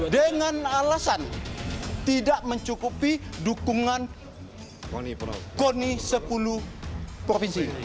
dengan alasan tidak mencukupi dukungan koni sepuluh provinsi ini